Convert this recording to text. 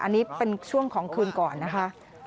อันนี้เป็นช่วงของคืนก่อนนะคะ